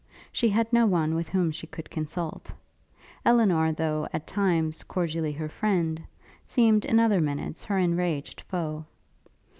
She had no one with whom she could consult. Elinor, though, at times, cordially her friend, seemed, in other minutes, her enraged foe.